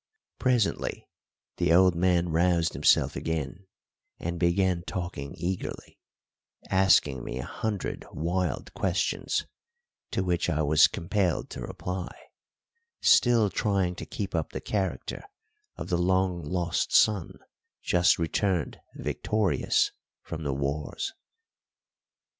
Presently the old man roused himself again and began talking eagerly, asking me a hundred wild questions, to which I was compelled to reply, still trying to keep up the character of the long lost son just returned victorious from the wars.